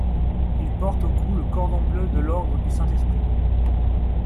Il porte au cou le cordon bleu de l'ordre du Saint-Esprit.